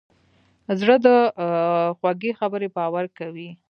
زړه د خوږې خبرې باور کوي.